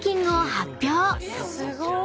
すごーい。